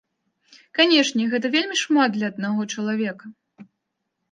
Канешне, гэта вельмі шмат для аднаго чалавека.